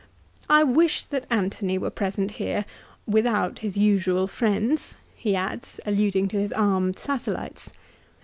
I wish that Antony were present here, without his usual friends," he adds, alluding to his armed satellites.